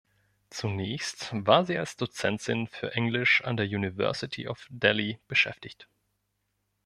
Zunächst war sie als Dozentin für Englisch an der University of Delhi beschäftigt.